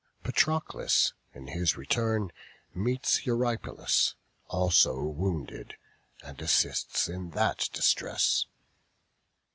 Patroclus in his return meets Eurypylus also wounded, and assists in that distress.